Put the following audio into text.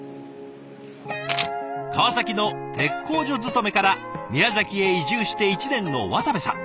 川崎の鉄工所勤めから宮崎へ移住して１年の渡部さん。